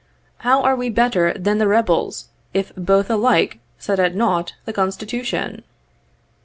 How are we better titan the rebels, if both alike set at nought the Constitution.''